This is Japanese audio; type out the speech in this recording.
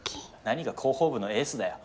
何が広報部のエースだよ